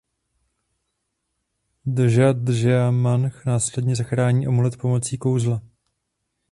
Džadžaemanch následně zachrání amulet pomocí kouzla.